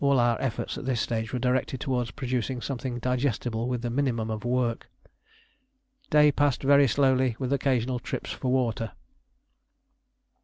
(All our efforts at this stage were directed towards producing something digestible with the minimum of work.) "Day passed very slowly, with occasional trips for water."